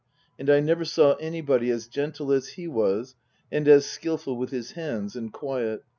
And I never saw anybody as gentle as he was and as skilful with his hands and quiet.